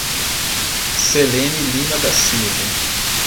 Celene Lima da Silva